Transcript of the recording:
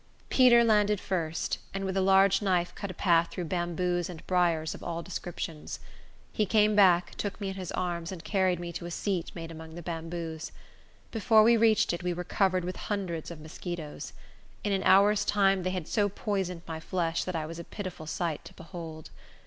Peter landed first, and with a large knife cut a path through bamboos and briers of all descriptions. He came back, took me in his arms, and carried me to a seat made among the bamboos. Before we reached it, we were covered with hundreds of mosquitos. In an hour's time they had so poisoned my flesh that I was a pitiful sight to behold.